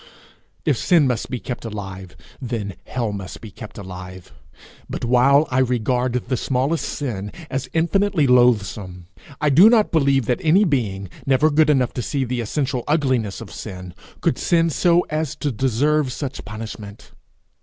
If sin must be kept alive, then hell must be kept alive; but while I regard the smallest sin as infinitely loathsome, I do not believe that any being, never good enough to see the essential ugliness of sin, could sin so as to deserve such punishment.